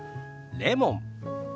レモン。